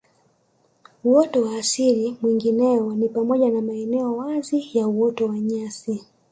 Uoto wa asili mwingineo ni pamoja na maeneo wazi ya uoto wa nyasi